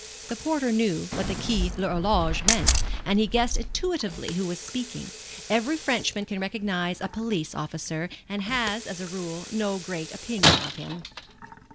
The porter knew what the Quai l'Horloge meant, and he guessed intuitively who was speaking. Every Frenchman can recognize a police officer, and has, as a rule, no great opinion of him.